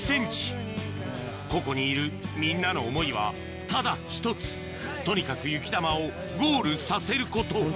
ここにいるみんなの思いはただ１つとにかく雪玉をゴールさせること